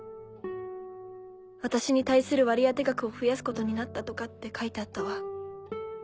私に対する割当額を増やすことになったとかって書いてあったわ。